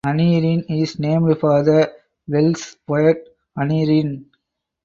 Aneirin is named for the Welsh poet Aneirin.